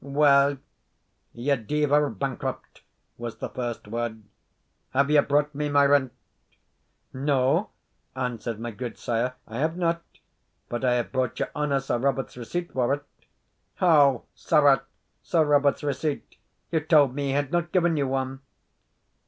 "Well, you dyvour bankrupt," was the first word, "have you brought me my rent?" "No," answered my gudesire, "I have not; but I have brought your honour Sir Robert's receipt for it." "How, sirrah? Sir Robert's receipt! You told me he had not given you one."